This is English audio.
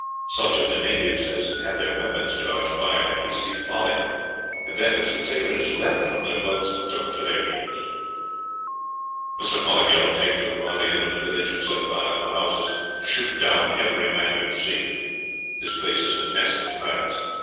Such of the natives as had their weapons charged fired a hasty volley, and then, as the sailors leapt from their boats, took to their heels. "Mr. Fothergill, take your party into the village and set fire to the houses; shoot down every man you see. This place is a nest of pirates.